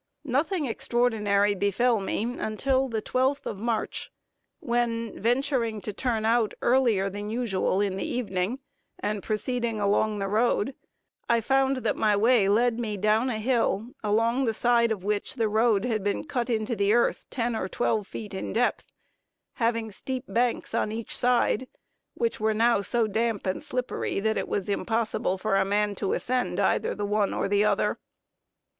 Nothing extraordinary befell me until the twelfth of March, when venturing to turn out earlier than usual in the evening, and proceeding along the road, I found that my way led me down a hill, along the side of which the road had been cut into the earth ten or twelve feet in depth, having steep banks on each side, which were now so damp and slippery that it was impossible for a man to ascend either the one or the other.